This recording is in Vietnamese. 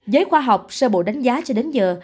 giới khoa học sơ bộ đánh giá cho đến giờ